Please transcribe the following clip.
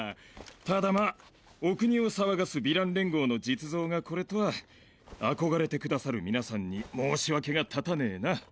ただまァお国を騒がすヴィラン連合の実像がこれとは憧れてくださる皆さんに申し訳が立たねェな。